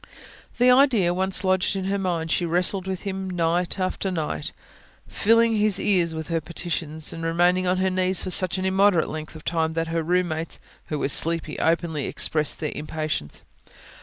The idea once lodged in her mind, she wrestled with Him night after night, filling His ears with her petitions, and remaining on her knees for such an immoderate length of time that her room mates, who were sleepy, openly expressed their impatience.